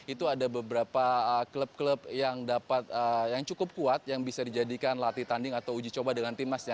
itu ada beberapa klub klub yang cukup kuat yang bisa dijadikan latih tanding atau uji coba dengan timnasnya